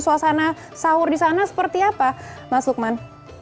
suasana sahur di sana seperti apa mas lukman